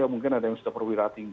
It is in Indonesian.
mungkin ada yang sudah perwira tinggi